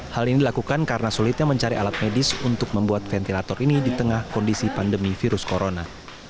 hal ini dilakukan karena sulitnya mencari alat medis untuk membuat ventilator ini di tengah kondisi pandemi virus corona